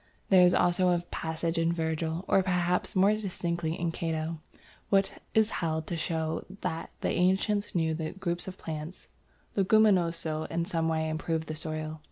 There is also a passage in Virgil, or perhaps more distinctly in Cato, which is held to show that the ancients knew that the group of plants, Leguminosæ, in some way improved the soil.